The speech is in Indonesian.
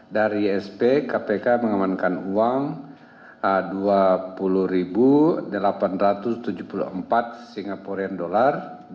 dari isp kpk mengamankan uang tersebut sebesar delapan seratus sgd